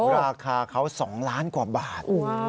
ราคาเขา๒ล้านกว่าบาท